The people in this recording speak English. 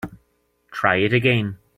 Try it again.